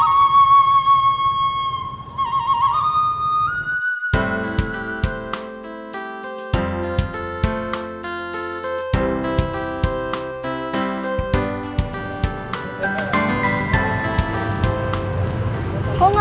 kau merasakan s deal